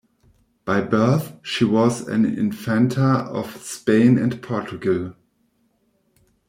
By birth, she was an infanta of Spain and Portugal.